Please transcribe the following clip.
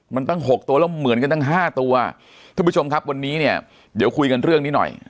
มันตั้งหกตัวแล้วเหมือนกันตั้งห้าตัวท่านผู้ชมครับวันนี้เนี่ยเดี๋ยวคุยกันเรื่องนี้หน่อย